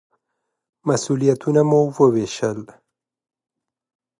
مسوولیتونه مو ووېشل.